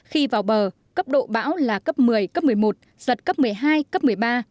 khi vào bờ cấp độ bão là cấp một mươi cấp một mươi một giật cấp một mươi hai cấp một mươi ba